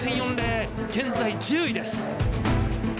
現在１０位です。